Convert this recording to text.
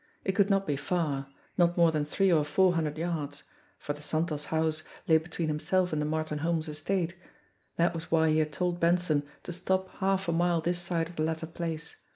It could not be far, not more than three or four hundred yards, for the Santos house lay between himself and the Martin Holmes estate. That was why he had told Benson to stop half a mile this side of the latter place.